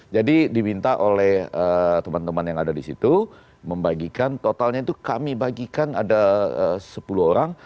diminta oleh teman teman yang ada di situ membagikan totalnya itu kami bagikan ada sepuluh orang